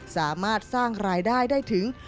สามารถสร้างรายได้ได้ถึง